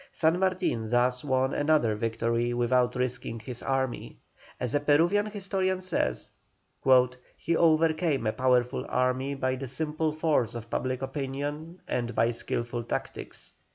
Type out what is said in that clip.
San Martin thus won another victory without risking his army. As a Peruvian historian says: "He overcame a powerful army by the simple force of public opinion and by skilful tactics."